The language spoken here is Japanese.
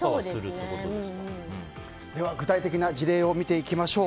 具体的な事例を見ていきましょう。